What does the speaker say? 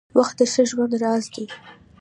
• وخت د ښه ژوند راز دی.